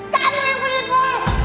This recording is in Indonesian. kamu yang penipu